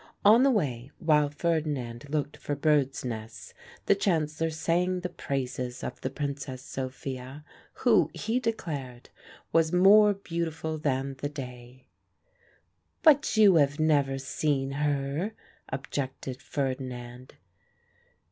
On the way, while Ferdinand looked for birds' nests, the Chancellor sang the praises of the Princess Sophia, who (he declared) was more beautiful than the day. "But you have never seen her," objected Ferdinand.